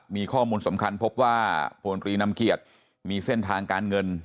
มีข้อมูลสำคัญพบว่าพลตรีนำเกียรติมีเส้นทางการเงิน